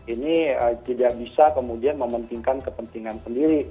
ini tidak bisa kemudian mementingkan kepentingan sendiri